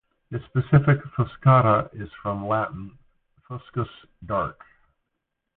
The specific "fuscata" is from Latin "fuscus" "dark".